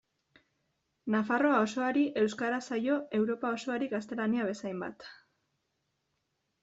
Nafarroa osoari euskara zaio Europa osoari gaztelania bezainbat.